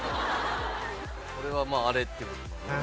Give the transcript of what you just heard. これはまああれって事か。